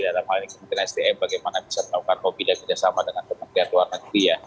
dalam hal ini kemudian stm bagaimana bisa melakukan mobil yang tidak sama dengan kemungkinan luar nanti ya